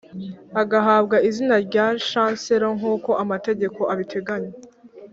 agahabwa izina rya Chancellor nk’uko amategeko abiteganya